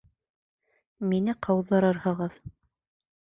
Мине ҡыуҙырырһығыҙ.